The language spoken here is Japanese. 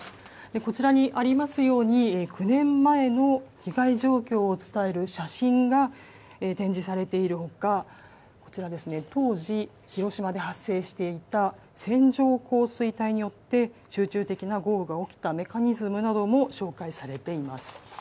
こちらにありますように、９年前の被害状況を伝える写真が展示されているほか、こちらですね、当時、広島で発生していた線状降水帯によって集中的な豪雨が起きたメカニズムなども紹介されています。